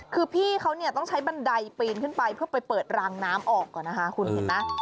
คือพี่เขาเนี่ยต้องใช้บันไดปีนขึ้นไปเพื่อไปเปิดรางน้ำออกก่อนนะคะคุณเห็นไหม